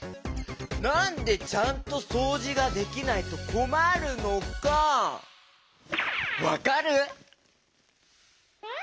なんでちゃんとそうじができないとこまるのかわかる？